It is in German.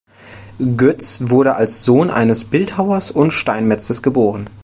Goetz wurde als Sohn eines Bildhauers und Steinmetzes geboren.